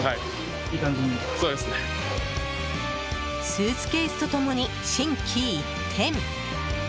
スーツケースと共に心機一転。